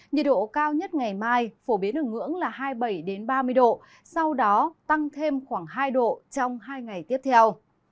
nhiệt độ cao nhất ngày mai phổ biến ở ngưỡng là hai mươi bảy ba mươi độ sau đó tăng thêm khoảng hai độ trong hai ngày tiếp theo